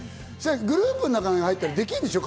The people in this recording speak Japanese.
グループの中に入ったらできるんでしょ？